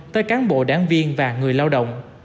tới cán bộ đáng viên và người lao động